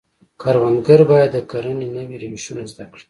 کروندګر باید د کرنې نوي روشونه زده کړي.